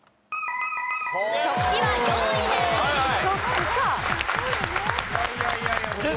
食器は４位です。